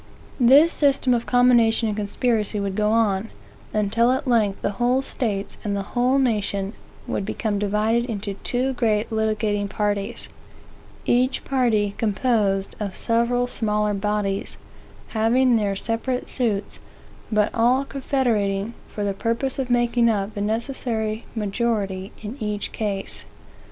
This system of combination and conspiracy would go on, until at length whole states and a whole nation would become divided into two great litigating parties, each party composed of several smaller bodies, having their separate suits, but all confederating for the purpose of making up the necessary majority in each case.